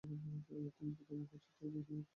তার পিতামহের সূত্রে তিনি পোলীয় বংশোদ্ভূত।